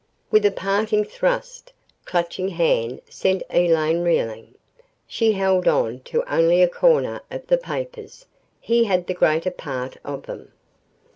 With a parting thrust, Clutching Hand sent Elaine reeling. She held on to only a corner of the papers. He had the greater part of them.